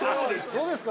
どうですか？